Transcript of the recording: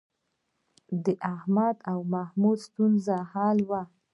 د احمد او محمود ستونزه حل وه